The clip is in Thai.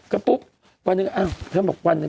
ก็ปุ๊บวันนึง